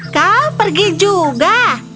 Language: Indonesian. kau pergi juga